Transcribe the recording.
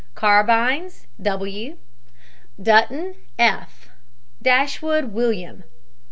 CARBINES, W. DUTTON, F. DASHWOOD, WILLIAM.